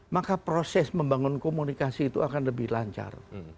maka proses membangun komunikasi itu akan lebih lancar